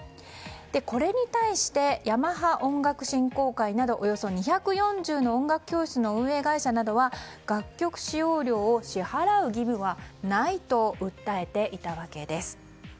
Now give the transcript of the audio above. これに対してヤマハ音楽振興会などおよそ２４０の音楽教室の運営会社などは楽曲使用料を支払う義務はないと訴えていたわけです。